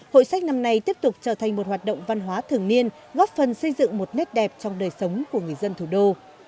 hội sách năm nay tiếp tục trở thành một hoạt động văn hóa thường niên góp phần xây dựng một nét đẹp trong đời sống của người dân thủ đô